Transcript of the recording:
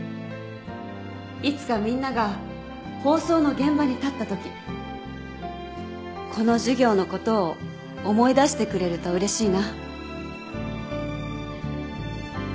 いつかみんなが法曹の現場に立ったときこの授業のことを思い出してくれるとうれしいな。